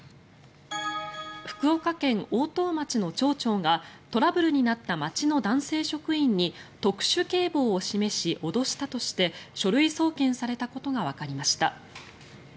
福岡県大任町の町長がトラブルになった町の男性職員に特殊警棒を示し脅したとして書類送検されたことがわかりました。